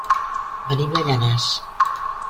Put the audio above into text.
Venim de Llanars.